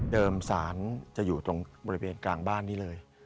สารจะอยู่ตรงบริเวณกลางบ้านนี้เลย